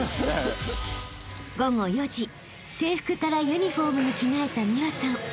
［制服からユニホームに着替えた美和さん］